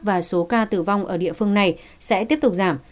và số ca tử vong ở địa phương này sẽ tiếp tục giảm